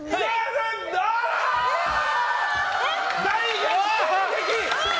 大逆転劇！